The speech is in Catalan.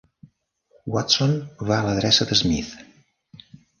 Watson va a l'adreça de Smith.